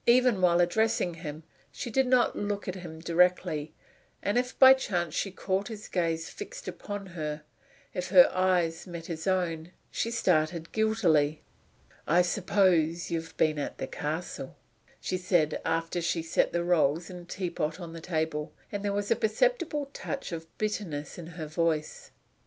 Even while addressing him, she did not look directly at him, and if, by chance, she caught his gaze fixed upon her if her eyes met his own she started guiltily. "I suppose you've been at the castle?" she said after she had set the rolls and the teapot on the table; and there was a perceptible touch of bitterness in her voice.